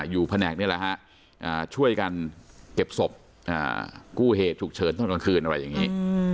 แผนกนี่แหละฮะช่วยกันเก็บศพกู้เหตุฉุกเฉินตอนกลางคืนอะไรอย่างนี้